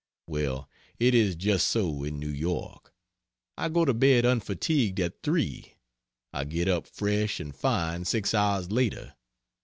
Well, it is just so in New York. I go to bed unfatigued at 3, I get up fresh and fine six hours later.